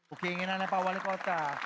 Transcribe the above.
oke inginannya pak wali kota